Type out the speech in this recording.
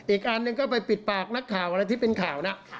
อีกอันหนึ่งก็ไปปิดปากนักข่าวอะไรที่เป็นข่าวนะ